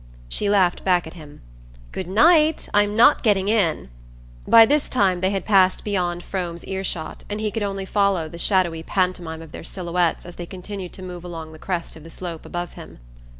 She laughed back at him: "Good night! I'm not getting in." By this time they had passed beyond Frome's earshot and he could only follow the shadowy pantomime of their silhouettes as they continued to move along the crest of the slope above him.